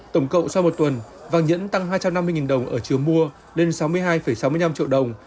tổng cộng sau một tuần vàng nhẫn tăng hai trăm năm mươi đồng ở chiều mua lên sáu mươi hai sáu mươi năm triệu đồng